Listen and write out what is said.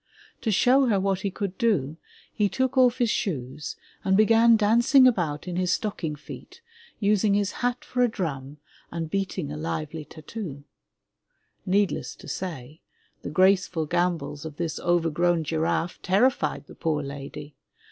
To show her what he could do, he took off his shoes and began dancing about in his stocking feet, using his hat for a drum and beating a lively tattoo! Needless to say, the graceful gambols of this overgrown giraffe terrified the poor lady.